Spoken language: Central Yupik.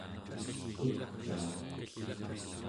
ekviaq